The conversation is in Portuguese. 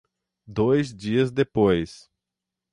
Dois dias depois